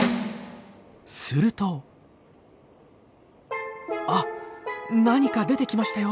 するとあっ何か出てきましたよ。